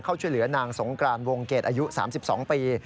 เข้าช่วยเหลือนางสงกรานวงเกตอายุ๓๒ปี